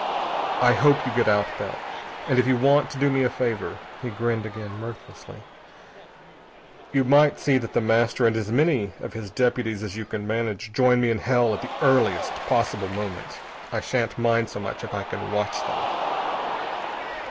I hope you get out, Bell.... And if you want to do me a favor," he grinned again, mirthlessly "you might see that The Master and as many of his deputies as you can manage join me in hell at the earliest possible moment. I shan't mind so much if I can watch them."